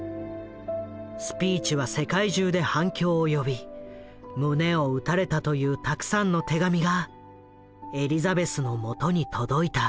スピーチは世界中で反響を呼び胸を打たれたというたくさんの手紙がエリザベスのもとに届いた。